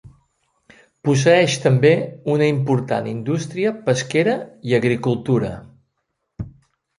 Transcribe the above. Posseeix també una important indústria pesquera i agricultura.